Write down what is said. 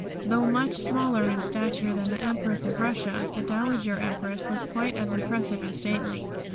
Though much smaller in stature than the Empress of Russia, the Dowager Empress was quite as impressive and stately.